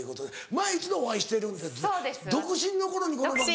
前一度お会いしてる独身の頃にこの番組？